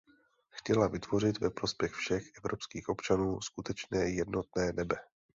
Chtěla vytvořit ve prospěch všech evropských občanů skutečné jednotné nebe.